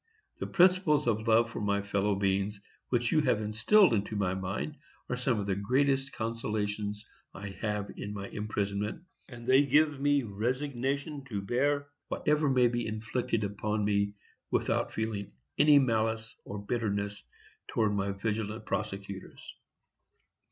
The principles of love for my fellow beings which you have instilled into my mind are some of the greatest consolations I have in my imprisonment, and they give me resignation to bear whatever may be inflicted upon me without feeling any malice or bitterness toward my vigilant prosecutors.